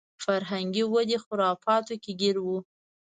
فرهنګي ودې خرافاتو کې ګیر و.